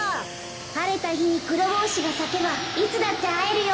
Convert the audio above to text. はれたひにクロボウシがさけばいつだってあえるよ。